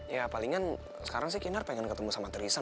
ya palingan sekarang sih kinar pengen ketemu sama trissa